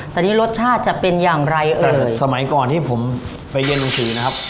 แต่นี่รสชาติจะเป็นอย่างไรเอ่ยสมัยก่อนที่ผมไปเรียนหนังสือนะครับ